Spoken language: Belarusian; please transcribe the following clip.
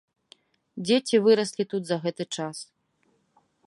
Дзеці выраслі тут за гэты час.